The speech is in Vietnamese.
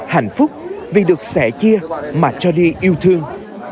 hạnh phúc vì được sẻ chia mà cho đi yêu thương